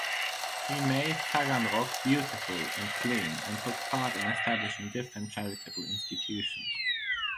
He made Taganrog beautiful and clean and took part in establishing different charitable institutions.